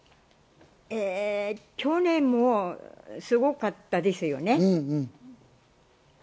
去年もすごかったですよね。